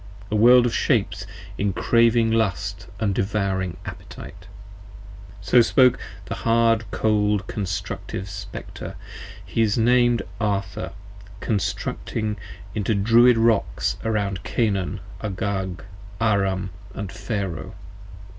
A World of Shapes in craving lust & devouring appetite. 25 So .spoke the hard cold constructive Spectre: he is named Arthur: Constructing into Druid Rocks round Canaan, Agag & Aram & Pharoh.